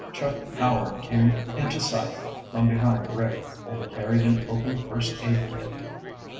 Chuck Howard came into sight from behind Rick, and he carried an open first aid kit.